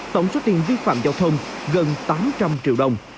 tổng số tiền vi phạm giao thông gần tám trăm linh triệu đồng